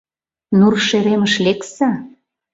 Нур шеремыш лекса.